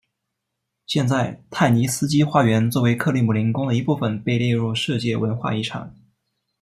现在泰尼斯基花园作为克里姆林宫的一部分被列入世界文化遗产。